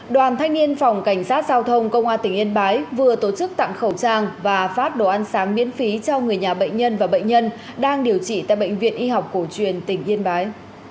đoàn thanh niên phòng cảnh sát giao thông công an tỉnh yên bái vừa tổ chức tặng khẩu trang và phát đồ ăn sáng miễn phí cho người nhà bệnh nhân và bệnh nhân đang điều trị tại bệnh viện y học cổ truyền tỉnh yên bái